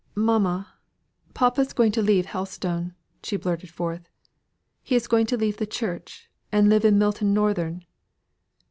"Mamma! Papa is going to leave Helstone!" she blurted forth. "He's going to leave the Church, and live in Milton Northern."